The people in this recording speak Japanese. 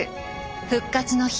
「復活の日」